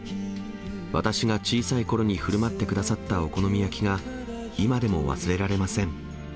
私が小さいころにふるまってくださったお好み焼きが、今でも忘れられません。